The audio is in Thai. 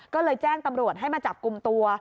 ก็เลยแจ้งตำรวจให้มาจับกลุ่มตัว